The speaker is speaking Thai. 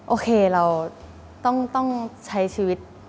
โอเคเราต้องใช้ชีวิต